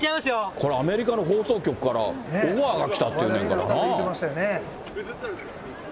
これ、アメリカの放送局からオファーが来たっていうんやからね。